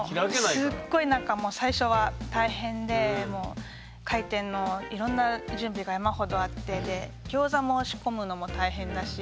すっごいなんかもう最初は大変で開店のいろんな準備が山ほどあってでギョーザも仕込むのも大変だし。